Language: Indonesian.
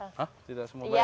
hah tidak semua bayar